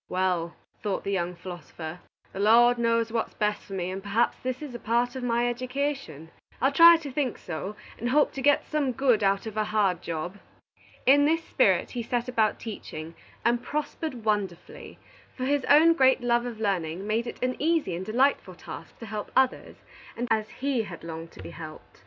"Well," thought the young philosopher, "the Lord knows what is best for me, and perhaps this is a part of my education. I'll try to think so, and hope to get some good out of a hard job." In this spirit he set about teaching, and prospered wonderfully, for his own great love of learning made it an easy and delightful task to help others as he had longed to be helped.